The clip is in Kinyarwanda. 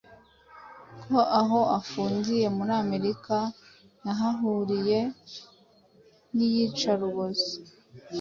ko aho afungiye muri Amerika yahahuriye ‘n’iyicarubozo